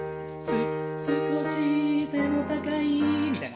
「少し背の高い」みたいな。